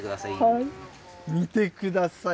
見てください。